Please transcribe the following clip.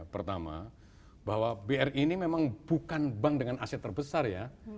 pertama bahwa bri ini memang bukan bank dengan aset terbesar ya